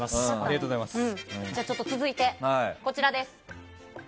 続いて、こちらです。